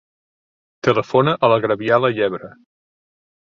Telefona a la Gabriela Yebra.